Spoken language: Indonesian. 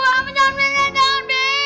bapak jangan biar dia jalan bi